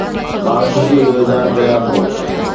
مان خوشي جو اظهار ڪريان ٿو